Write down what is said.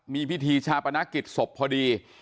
มีพิธีชาปนกิจศพพอดี